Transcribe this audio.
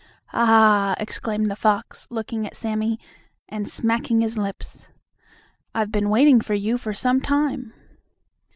"Ah!" exclaimed the fox, looking at Sammie, and smacking his lips, "I've been waiting for you for some time."